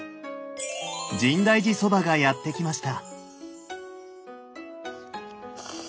深大寺そばがやって来ました。